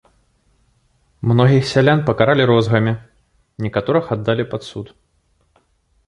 Многіх сялян пакаралі розгамі, некаторых аддалі пад суд.